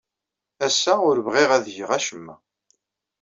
Ass-a, ur bɣiɣ ad geɣ acemma.